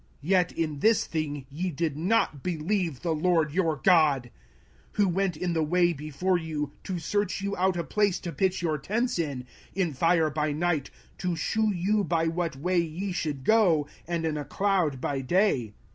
05:001:032 Yet in this thing ye did not believe the LORD your God, 05:001:033 Who went in the way before you, to search you out a place to pitch your tents in, in fire by night, to shew you by what way ye should go, and in a cloud by day.